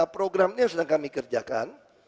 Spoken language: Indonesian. program ini yang sedang kami kerjakan